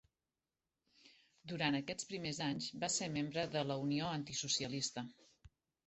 Durant aquests primers anys va ser membre de la Unió Antisocialista.